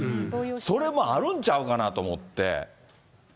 それもあるんちゃうかなと思って。